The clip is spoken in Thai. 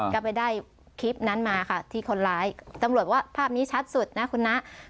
ก็ไปได้คลิปนั้นมาค่ะที่คนร้ายตำรวจว่าภาพนี้ชัดสุดนะคุณนะ